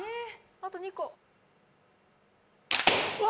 あと２個うわ